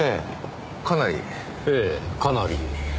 ええかなり。